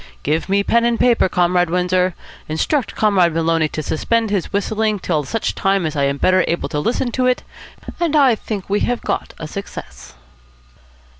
Give me pen and paper, Comrade Windsor, instruct Comrade Maloney to suspend his whistling till such time as I am better able to listen to it; and I think we have got a success."